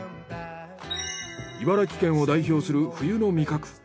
茨城県を代表する冬の味覚。